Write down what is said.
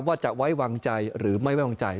ว่าจะไว้วางใจหรือไม่ไว้วางใจ